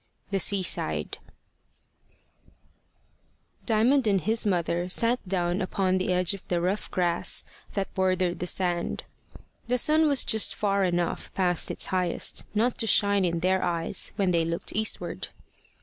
THE SEASIDE DIAMOND and his mother sat down upon the edge of the rough grass that bordered the sand. The sun was just far enough past its highest not to shine in their eyes when they looked eastward.